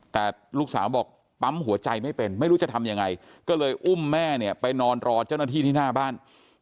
แต่ลูกสาวบอกปั๊มหัวใจไม่เป็นไม่รู้จะทำยังไงก็เลยอุ้มแม่เนี่ยไปนอนรอเจ้าหน้าที่ที่หน้าบ้าน